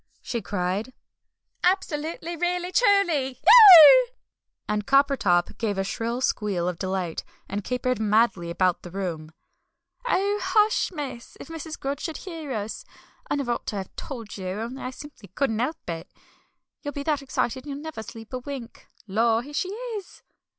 she cried, "absolutely really truly! Eeeeeuggh!" and Coppertop gave a shrill squeal of delight, and capered madly about the room. "Oh, hush, miss! If Mrs. Grudge should hear us. I never ought to have told you, only I simply couldn't 'elp it. You'll be that excited you'll never sleep a wink. Lor, here she is!"